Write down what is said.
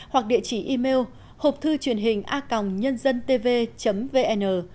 hoặc địa chỉ email hộpthư truyền hình a nhân dân tv vn